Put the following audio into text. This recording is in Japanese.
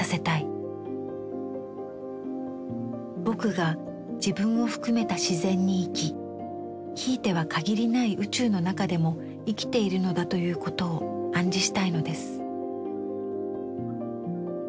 「『ぼく』が自分を含めた自然に生きひいては限りない宇宙の中でも生きているのだということを暗示したいのです」。